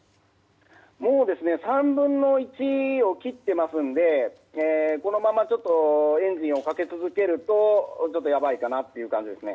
もう３分の１を切っていますのでこのままちょっとエンジンをかけ続けるとやばいかなっていう感じですね。